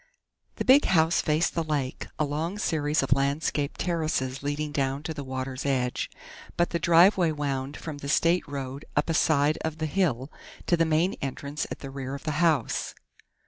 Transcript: The big house faced the lake, a long series of landscaped terraces leading down to the water's edge, but the driveway wound from the state road up a side of the hill, to the main entrance at the rear of the house.